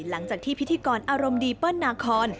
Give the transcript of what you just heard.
หลังจากที่พิธีกรอารมณ์ดีเปิ้ลนาคอน